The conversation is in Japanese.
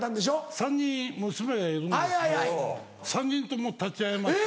３人娘がいるんですけど３人とも立ち会いました。